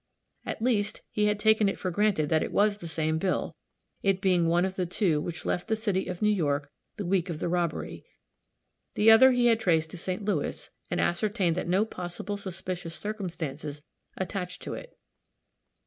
At least, he had taken it for granted that it was the same bill, it being one of the two which left the city of New York the week of the robbery; the other he had traced to St. Louis, and ascertained that no possible suspicious circumstances attached to it.